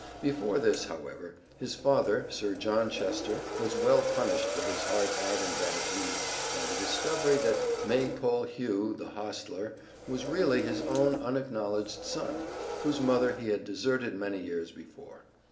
Before this, however, his father, Sir John Chester, was well punished for his hard heart and bad deeds by the discovery that Maypole Hugh, the hostler, was really his own unacknowledged son, whose mother he had deserted many years before.